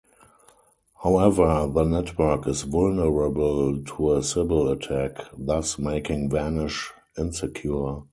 However, the network is vulnerable to a Sybil attack, thus making Vanish insecure.